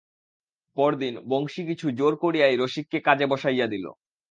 পরদিন বংশী কিছু জোর করিয়াই রসিককে কাজে বসাইয়া দিল।